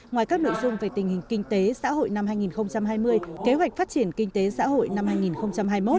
ngoài các nội dung về tình hình kinh tế xã hội năm hai nghìn hai mươi kế hoạch phát triển kinh tế xã hội năm hai nghìn hai mươi một